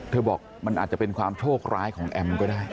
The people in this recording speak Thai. บอกมันอาจจะเป็นความโชคร้ายของแอมก็ได้